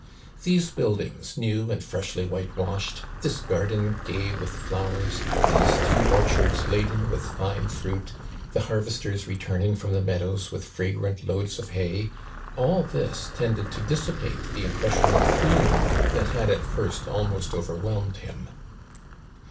These buildings, new and freshly white washed, this garden gay with flowers, these two orchards laden with fine fruit, the harvesters returning from the meadows with fragrant loads of hay — all this tended to dissipate the impression of gloom that had at first almost overwhelmed him.